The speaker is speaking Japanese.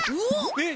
えっ！